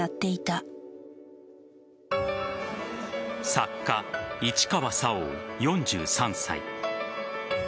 作家・市川沙央、４３歳。